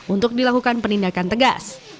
untuk dilakukan penindakan tegas